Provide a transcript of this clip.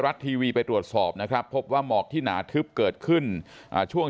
รัฐทีวีไปตรวจสอบนะครับพบว่าหมอกที่หนาทึบเกิดขึ้นช่วง